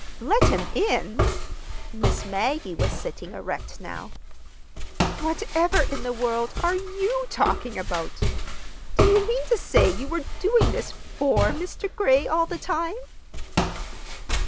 "Let him in!" Miss Maggie was sitting erect now. "Whatever in the world are you talking about? Do you mean to say you were doing this for Mr. Gray, all the time?"